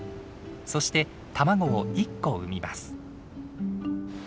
そして卵を１個産みます。